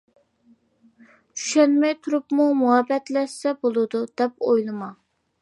چۈشەنمەي تۇرۇپمۇ مۇھەببەتلەشسە بولىدۇ دەپ ئويلىما.